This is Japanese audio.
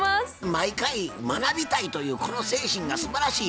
毎回学びたいというこの精神がすばらしい。